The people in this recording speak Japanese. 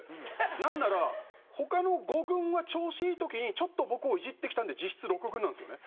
なんなら他の５軍が調子いい時にちょっと僕をイジってきたんで実質６軍なんですよね。